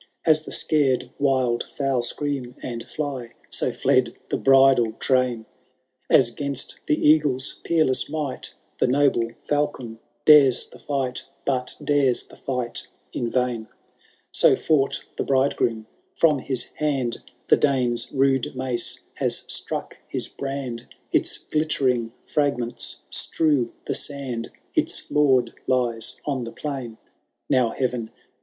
As the scared wild fowl scream and fly, Coflto r. HAROLD THB DAUNTL18S. 179 So fled the bridal train ; Ab 'gainst the eaglets peerleaa might The noble falcon dares the fight, But dares the fight in vain, So fought the bridegroom ; from his hand The Dane's rude mace has struck his brand. Its glittering fragments strew the sand, Its lord lies on the plain. Now, Heaven